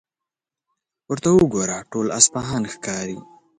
ورته وګوره، ټول اصفهان ښکاري.